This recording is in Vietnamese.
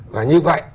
và như vậy